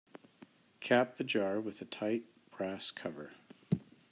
Cap the jar with a tight brass cover.